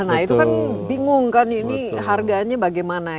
nah itu kan bingung kan ini harganya bagaimana